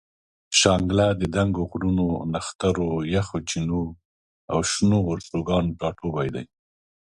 شانګله د دنګو غرونو، نخترو، یخو چینو او شنو ورشوګانو ټاټوبے دے